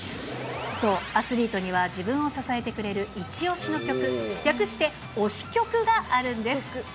そう、アスリートには、自分を支えてくれる一推しの曲、略して推し曲があるんです。